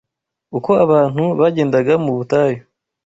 Uko abantu bagendaga mu butayu,